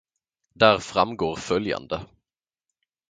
Där framgår följande.